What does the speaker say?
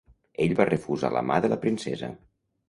Ell va refusar la mà de la princesa.